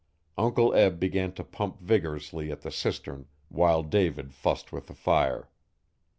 Uncle Eb began to pump vigorously at the cistern while David fussed with the fire.